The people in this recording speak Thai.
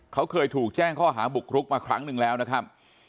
เขาเคยถูกแจ้งข้อหาบุกรุกมาครั้งหนึ่งแล้วนะครับ